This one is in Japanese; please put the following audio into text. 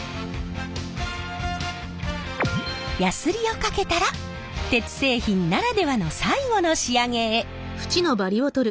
やすりをかけたら鉄製品ならではの最後の仕上げへ。